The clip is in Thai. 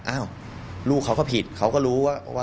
อ้าวลูกเขาก็ผิดเขาก็รู้ว่า